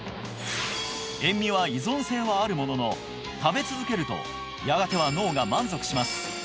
塩味は依存性はあるものの食べ続けるとやがては脳が満足します